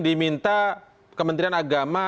diminta kementerian agama